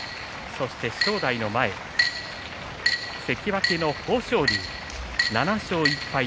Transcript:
そして正代の前、関脇の豊昇龍７勝１敗。